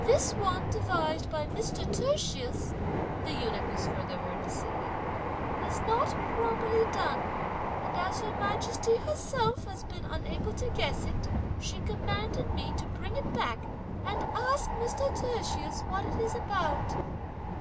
"This one devised by Mr. Tertius," the eunuch was further heard to say, "is not properly done; and as Her Majesty herself has been unable to guess it she commanded me to bring it back, and ask Mr. Tertius what it is about."